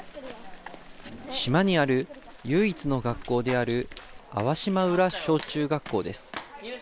島にある唯一の学校である粟島浦小・中学校です。